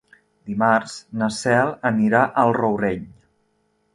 Dimarts na Cel anirà al Rourell.